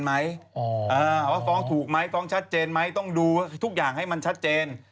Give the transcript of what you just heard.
ขณะตอนอยู่ในสารนั้นไม่ได้พูดคุยกับครูปรีชาเลย